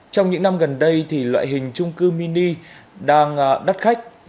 trong những năm gần đây thì loại hình trung cư mini đang đắt khách